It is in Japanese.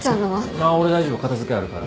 ああ俺大丈夫片付けあるから。